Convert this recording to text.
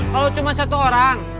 kalau cuma satu orang